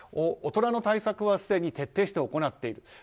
大人の対策はすでに徹底して行っている。